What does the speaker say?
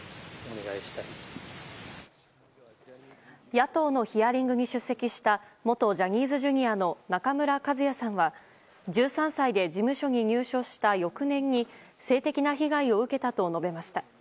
野党のヒアリングに出席した元ジャニーズＪｒ．の中村一也さんは１３歳で事務所に入所した翌年に性的な被害を受けたと述べました。